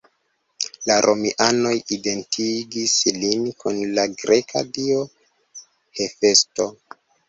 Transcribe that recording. La romianoj identigis lin kun la greka dio Hefesto.